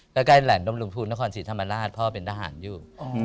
ใกล้แหลมบำรุงภูมินครศรีธรรมราชพ่อเป็นทหารอยู่